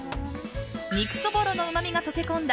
肉そぼろのうまみが溶け込んだ